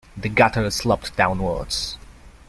The gutter sloped downwards.